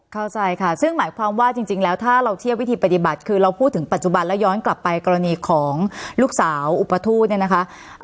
เข้าใจค่ะซึ่งหมายความว่าจริงแล้วถ้าเราเทียบวิธีปฏิบัติคือเราพูดถึงปัจจุบันแล้วย้อนกลับไปกรณีของลูกสาวอุปทูตเนี่ยนะคะ